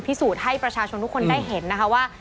พิสูจน์ให้ประชาชนทุกคนได้เห็นนะคะว่า